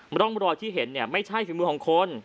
มรอยที่เห็นเนี่ยไม่ใช่ศิลป์มือของคน